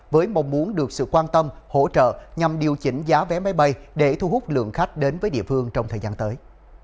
với mong muốn được sự quan tâm hỗ trợ nhằm điều chỉnh giá vé máy bay để thu hút lượng khách đến với địa phương trong thời gian tới